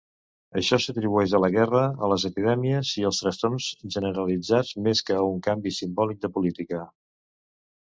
Això s'atribueix a la guerra, a les epidèmies i als trastorns generalitzats, més que a un "canvi simbòlic de política".